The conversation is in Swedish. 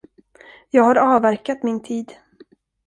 Jag har avverkat min tid.